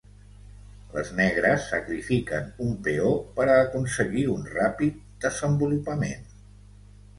Les negres sacrifiquen un peó per aconseguir un ràpid desenvolupament.